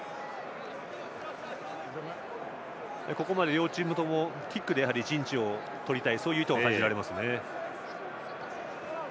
ここまで両チームともキックで陣地を取りたいそういう意図が感じられますね。